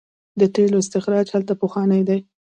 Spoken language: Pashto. د تیلو استخراج هلته پخوانی دی.